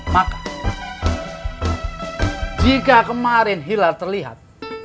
maka jika kemarin hilal terlihat